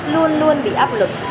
luôn luôn bị áp lực